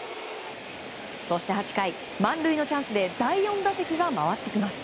そして８回、満塁のチャンスで第４打席が回ってきます。